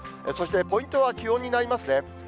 そして、ポイントは気温になりますね。